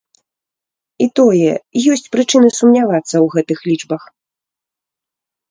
І тое, ёсць прычыны сумнявацца ў гэтых лічбах.